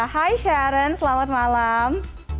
hai sharon selamat malam